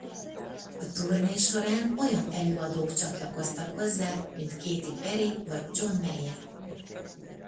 A turné során olyan előadók csatlakoztak hozzá mint Katy Perry vagy John Meyer.